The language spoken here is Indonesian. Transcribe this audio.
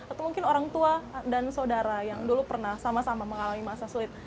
atau mungkin orang tua dan saudara yang dulu pernah sama sama mengalami masa sulit